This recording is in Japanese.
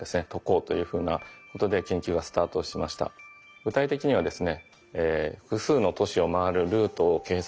具体的にはですね